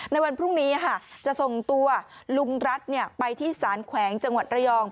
ในวันพรุ่งนี้จะส่งตัวลุงรัฐไปที่สารแขวงจังหวัดระยอง